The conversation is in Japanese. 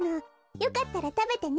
よかったらたべてね。